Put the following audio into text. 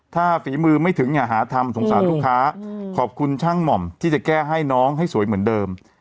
ถ้าฝีมือไม่ถึงอย่าหาทำสงสารลูกค้าขอบคุณช่างหม่อมที่จะแก้ให้น้องให้สวยเหมือนเดิม